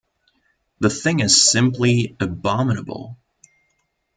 The thing is simply abominable!